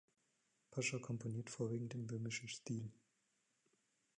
Pascher komponiert vorwiegend im böhmischen Stil.